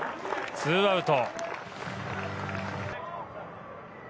２アウト。